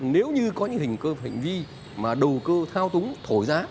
nếu như có những hình vi mà đầu cơ thao túng thổi giá